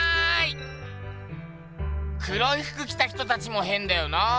黒いふく着た人たちもへんだよな。